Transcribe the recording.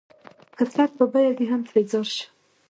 که سر په بيه وي هم ترېنه ځار شــــــــــــــــــه